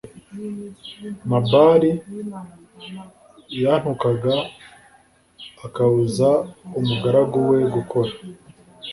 Nabali yantukaga akabuza umugaragu we gukora